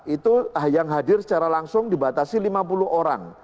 itu yang hadir secara langsung dibatasi lima puluh orang